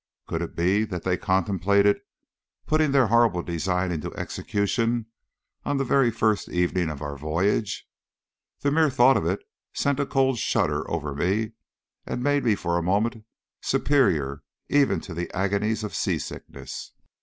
Could it be that they contemplated putting their horrible design into execution on the very first evening of our voyage? The mere thought of it sent a cold shudder over me, and made me for a moment superior even to the agonies of sea sickness.